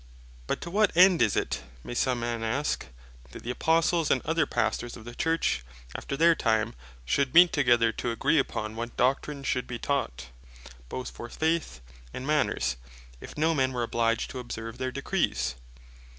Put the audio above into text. But to what end is it (may some man aske), that the Apostles, and other Pastors of the Church, after their time, should meet together, to agree upon what Doctrine should be taught, both for Faith and Manners, if no man were obliged to observe their Decrees?